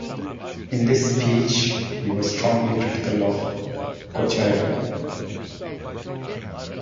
In this speech he was strongly critical of Kocharyan.